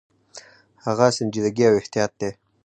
هغه سنجیدګي او احتیاط دی.